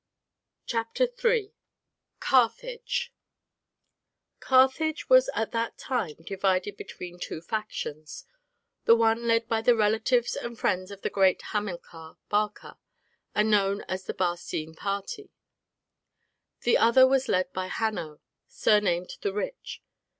CHAPTER III: CARTHAGE Carthage was at that time divided between two factions, the one led by the relatives and friends of the great Hamilcar Barca and known as the Barcine party. The other was led by Hanno, surnamed the Rich.